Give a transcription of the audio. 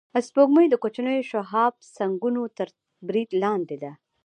سپوږمۍ د کوچنیو شهابسنگونو تر برید لاندې ده